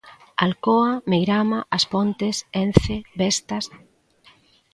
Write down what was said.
Alcoa, Meirama, As Pontes, Ence, Vestas.